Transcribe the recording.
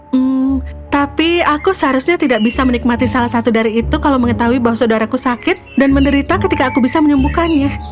hmm tapi aku seharusnya tidak bisa menikmati salah satu dari itu kalau mengetahui bahwa saudaraku sakit dan menderita ketika aku bisa menyembuhkannya